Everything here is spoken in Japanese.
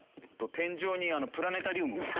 天井にプラネタリウム。